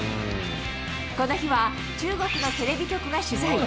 この日は中国のテレビ局が取材。